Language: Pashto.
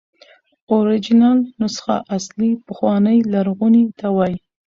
اوریجنل نسخه اصلي، پخوانۍ، لرغوني ته وایي.